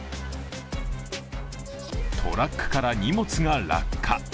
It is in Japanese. トラックから荷物が落下。